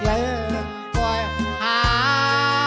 ยังปล่อยหา